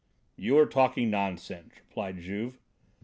"You are talking nonsense," replied Juve.